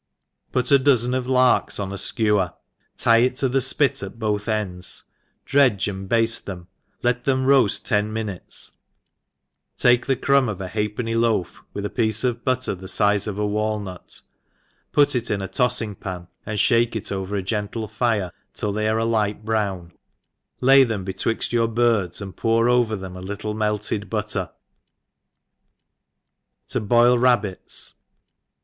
PUT a dozen of larks on a fkcwer, tie it to the fpit at both ends, dredge and bafte them» let them roaft ten minutes, take the crumbs of a Fa half 68 THE EXPERIENCED half penny loaf, \yith a piece of butter the fizc of a walnut, put it in a toffing pan, and (hake it over a gentle fire till they are a light brown, lay them betwixt your birds, and pour over them a little melted butter* Ji^^/V Rabbits.